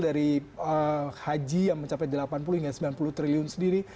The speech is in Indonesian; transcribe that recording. dari haji yang mencapai delapan puluh hingga sembilan puluh triliun sendiri